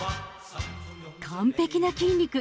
完璧な筋肉。